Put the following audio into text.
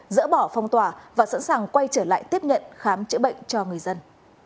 dỡ bỏ phong tỏa và sẵn sàng quay trở lại tiếp nhận khám chữa bệnh cho người dân